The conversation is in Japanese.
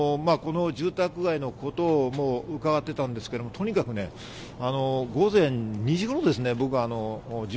住宅街のことを伺っていたんですけれども、とにかく午前２時頃ですね。